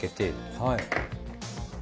はい。